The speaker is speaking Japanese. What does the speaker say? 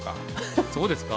そうですか？